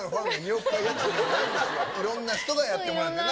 いろんな人がやってもらってな。